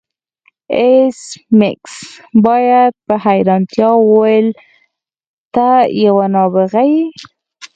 ایس میکس بیا په حیرانتیا وویل ته یو نابغه یې